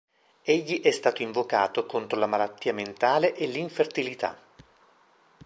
Egli è stato invocato contro la malattia mentale e l'infertilità.